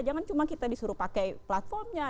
jangan cuma kita disuruh pakai platformnya